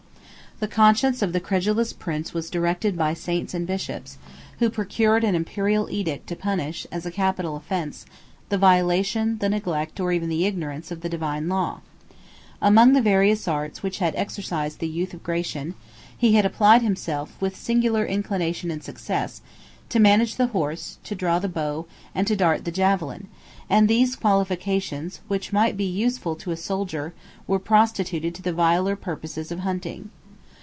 3 The conscience of the credulous prince was directed by saints and bishops; 4 who procured an Imperial edict to punish, as a capital offence, the violation, the neglect, or even the ignorance, of the divine law. 5 Among the various arts which had exercised the youth of Gratian, he had applied himself, with singular inclination and success, to manage the horse, to draw the bow, and to dart the javelin; and these qualifications, which might be useful to a soldier, were prostituted to the viler purposes of hunting.